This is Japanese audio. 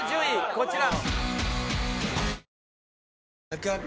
こちら。